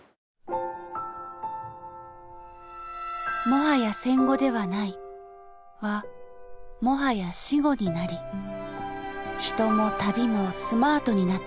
もはや戦後ではないはもはや死語になり人も旅もスマートになった。